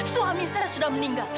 suami saya sudah meninggal